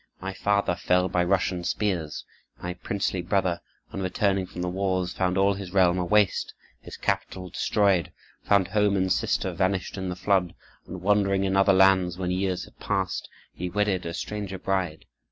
My father fell by Russian spears. My princely brother, on returning from the wars, found all his realm a waste, his capital destroyed, found home and sister vanished in the flood; and wandering in other lands, when years had passed, he wedded a stranger bride.